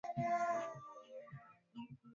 Katika ulimwengu kila siku maajabu yanaongezeka na